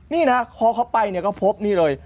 นี่นะพอเขาไปก็พบนี่เลย